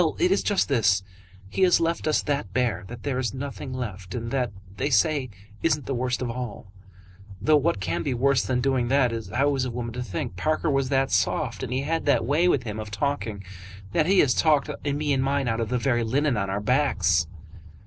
"Well; it is just this. He has left us that bare that there is nothing left. And that, they say, isn't the worst of all, though what can be worse than doing that, how is a woman to think? Parker was that soft, and he had that way with him of talking, that he has talked me and mine out of the very linen on our backs."